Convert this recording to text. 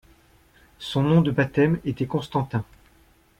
Son nom de baptême était Constantin.